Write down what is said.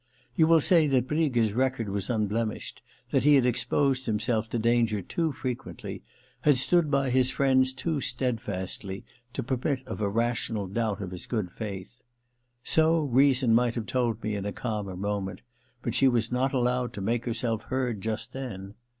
... You will say that Briga's record was unblemished, that he had exposed II THE LETTER 251 himself to danger too frequently, had stood by his friends too steadfastly, to permit of a rational doubt of his good faith. So reason might have told me in a calmer moment, but she was not allowed to make herself heard just then.